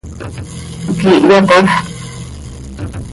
¿Quíihya tafp?